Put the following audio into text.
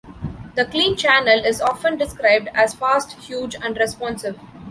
The clean channel is often described as "fast", "huge", and "responsive".